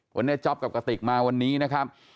คุณพญาติคกับกะติมาวันนี้นะครับ